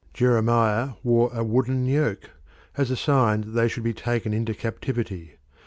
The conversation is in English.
Jeremiah wore a wooden yoke as a sign that they should be taken into captivity.